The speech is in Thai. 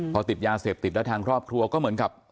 พอติดยาเสพติดแล้วทางครอบครัวก็เหมือนกับ